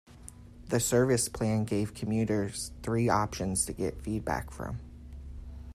The service plan gave commuters three options to get feedback from.